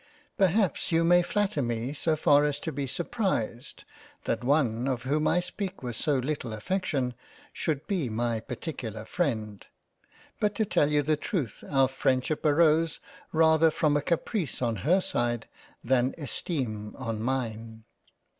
Perhaps you may flatter me so far as to be surprised that one of whom I speak with so little affection should be my particular freind ; but to tell you the truth, our freindship arose rather from Caprice on her side than Esteem on mine.